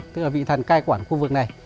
tức là vị thần cai quản khu vực này